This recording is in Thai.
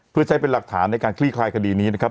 เพื่อใช้เป็นหลักฐานในการคลี่คลายคดีนี้นะครับ